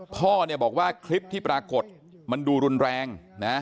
พ่อบอกว่าคลิปที่ปรากฏมันดูรุนแรง